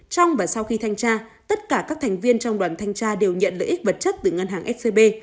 trong và sau khi thanh tra tất cả các thành viên trong đoàn thanh tra đều nhận lợi ích vật chất từ ngân hàng scb